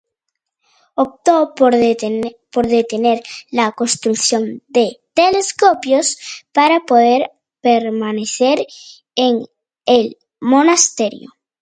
Optó por detener la construcción de telescopios para poder permanecer en el monasterio.